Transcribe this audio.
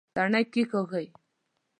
تڼي کېکاږئ